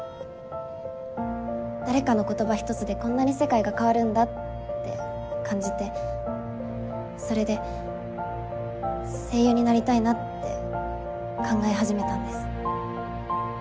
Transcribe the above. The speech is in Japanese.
誰かの言葉ひとつでこんなに世界が変わるんだって感じてそれで声優になりたいなって考え始めたんです。